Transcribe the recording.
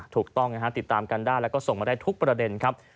ถูกต้องนะฮะติดตามกันได้แล้วก็ส่งมาได้ทุกประเด็นครับ